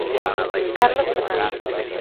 Luis Carlos Fernández.